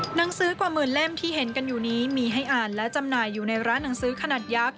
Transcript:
หนังสือกว่าหมื่นเล่มที่เห็นกันอยู่นี้มีให้อ่านและจำหน่ายอยู่ในร้านหนังสือขนาดยักษ์